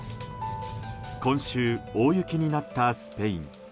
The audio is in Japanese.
今週、大雪になったスペイン。